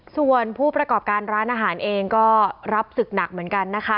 ส่วนผู้ประกอบการร้านอาหารเองก็รับศึกหนักเหมือนกันนะคะ